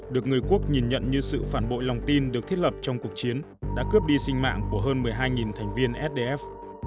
được người quốc nhìn nhận như sự phản bội lòng tin được thiết lập trong cuộc chiến đã cướp đi sinh mạng của hơn một mươi hai thành viên sdf